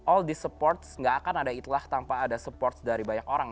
all this support gak akan ada itlah tanpa ada support dari banyak orang